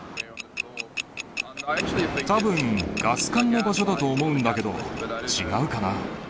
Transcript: たぶん、ガス管の場所だと思うんだけど、違うかな？